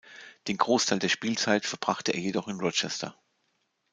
Den Großteil der Spielzeit verbrachte er jedoch in Rochester.